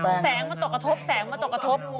แซงมาตกกระทบ